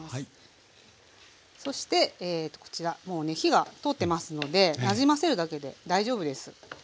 そしてこちらもうね火が通ってますのでなじませるだけで大丈夫です。